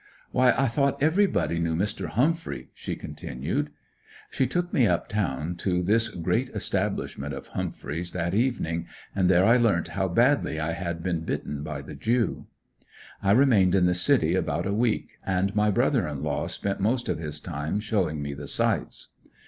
"Why, I thought everybody knew Mr. Humphry," she continued. She took me up town to this great establishment of Humphry's that evening and there I learnt how badly I had been bitten by the Jew. I remained in the city about a week and my brother in law spent most of his time showing me the sights.